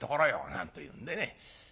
なんというんでね。